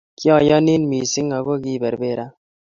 Kiayanin mising aku kiiberbera